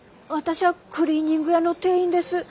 私ゃあクリーニング屋の店員です。